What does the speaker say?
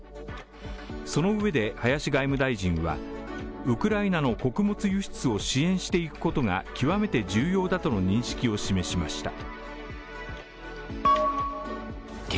そのうえで林外務大臣はウクライナの穀物輸出を支援していくことが極めて重要だとの認識を示しました。